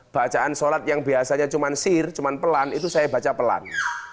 bacaan sholat yang biasanya cuman sir cuma pelan itu saya baca pelan